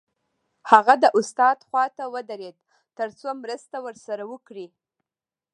هغه د استاد خواته ودرېد تر څو مرسته ورسره وکړي